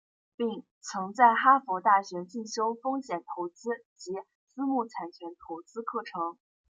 并曾在哈佛大学进修风险投资及私募产权投资课程。